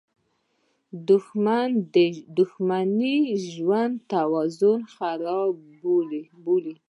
• دښمني د ژوند توازن خرابوي.